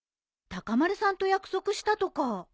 高丸さんと約束したとか。